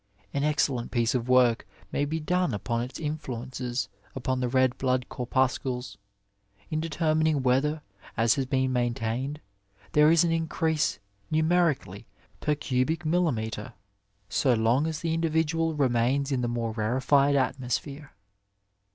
An excellent piece of work may be done upon its influences upon the red blood corpuscles, in determining whether, as has been maintained, there is an increase numericaUy per cubic millimetre, so long as the individual remains in the more rarefied atmosphere.